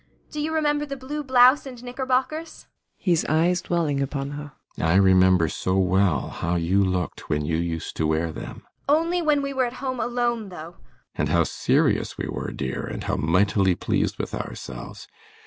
Do you remember the blue blouse and knickerbockers? ALLMERS. [His eyes dwelling upon her.] I remember so well how you looked when you used to wear them. ASTA. Only when we were at home, alone, though. ALLMERS. And how serious we were, dear, and how mightily pleased with ourselves.